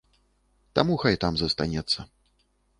Таму хай там застанецца.